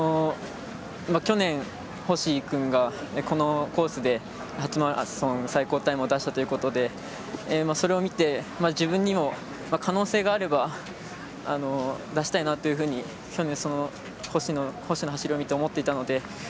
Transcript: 去年、星君がこのコースで初マラソン、最高タイムを出したということでそれを見て自分にも可能性があれば出したいなというふうに去年、星の走りを見て思っていたので。